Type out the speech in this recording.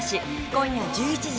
今夜１１時